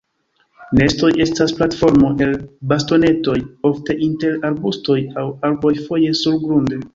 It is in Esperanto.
Nestoj estas platformo el bastonetoj, ofte inter arbustoj aŭ arboj, foje surgrunde.